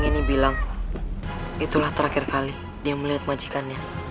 itulah terakhir kali dia melihat majikannya